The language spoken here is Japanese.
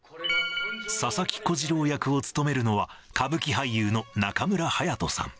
佐々木小次郎役を務めるのは、歌舞伎俳優の中村隼人さん。